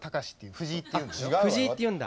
藤井っていうんだ。